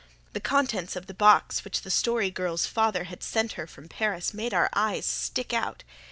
The contents of the box which the Story Girl's father had sent her from Paris made our eyes stick out.